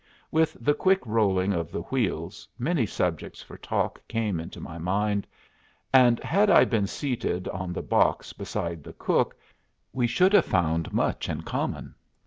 With the quick rolling of the wheels many subjects for talk came into my mind, and had I been seated on the box beside the cook we should have found much in common.